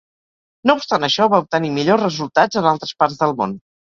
No obstant això, va obtenir millors resultats en altres parts del món.